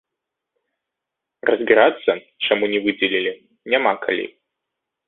Разбірацца, чаму не выдзелілі, няма калі.